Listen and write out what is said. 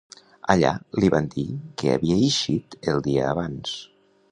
Allà li van dir que havia ixit el dia abans.